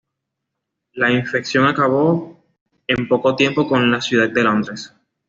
La infección acabó en poco tiempo con la ciudad de Londres.